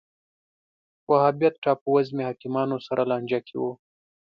وهابیت ټاپووزمې حاکمانو سره لانجه کې و